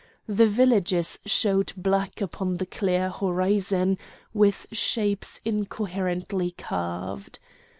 The villages showed black upon the clear horizon, with shapes incoherently carved.